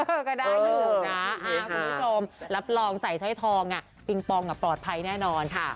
ก็ได้อยู่นะคุณผู้ชมรับรองใส่สร้อยทองปิงปองปลอดภัยแน่นอนค่ะ